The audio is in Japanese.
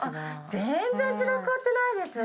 全然散らかってないですよ